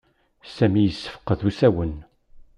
Sami yessefqed usawen.